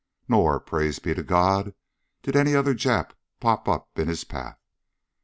Nor, praise be to God, did any other Japs pop up in his path.